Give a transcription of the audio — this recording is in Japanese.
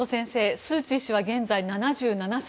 スー・チー氏は現在７７歳。